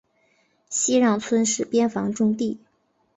西让村是边防重地。